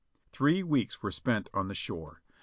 Three weeks were spent on the shore.